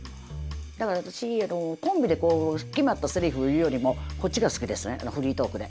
だから私コンビで決まったセリフ言うよりもこっちが好きですねフリートークで。